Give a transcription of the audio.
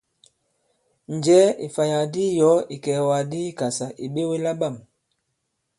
Njɛ̀ɛ ì ìfàyàk di i yɔ̀ɔ ìkɛ̀ɛ̀wàk di i Ikàsà ì ɓewe la bâm!